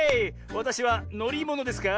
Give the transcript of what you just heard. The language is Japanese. わたしはのりものですか？